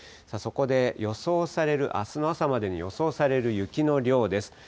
そこで、予想される、あすの朝までに、予想される雪の量です。